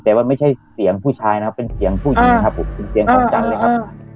แต่ว่าไม่ใช่เสียงผู้ชายนะครับเป็นเสียงผู้หญิงครับผมเป็นเสียงของจันทร์เลยครับ